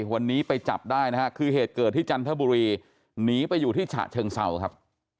วันนี้ไปจับได้นะฮะคือเหตุเกิดที่จันทบุรีหนีไปอยู่ที่ฉะเชิงเศร้าครับ